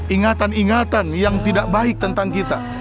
ingatan ingatan yang tidak baik tentang kita